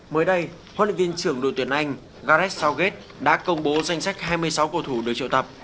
mới đây huấn luyện viên trưởng đội tuyển anh gareth sowet đã công bố danh sách hai mươi sáu cầu thủ được triệu tập